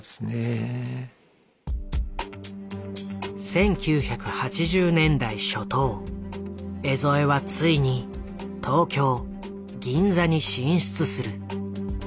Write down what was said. １９８０年代初頭江副はついに東京銀座に進出する。